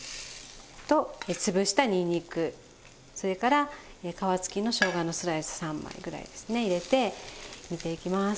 と潰したにんにくそれから皮つきのしょうがのスライス３枚ぐらいですね入れて煮ていきます。